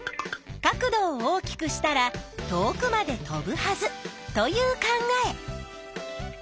角度を大きくしたら遠くまで飛ぶはずという考え。